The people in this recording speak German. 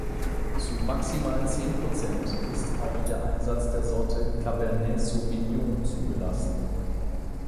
Zu maximal zehn Prozent ist auch der Einsatz der Sorte Cabernet Sauvignon zugelassen.